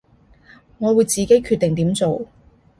我會自己決定點做